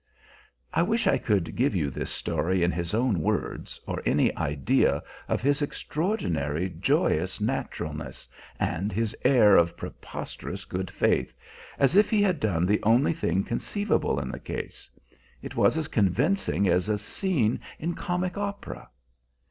I wish I could give you this story in his own words, or any idea of his extraordinary, joyous naturalness, and his air of preposterous good faith as if he had done the only thing conceivable in the case. It was as convincing as a scene in comic opera.